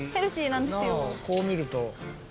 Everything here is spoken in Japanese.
「なあこう見ると」